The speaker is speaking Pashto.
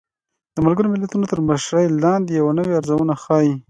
د ملګرو ملتونو تر مشرۍ لاندې يوه نوې ارزونه ښيي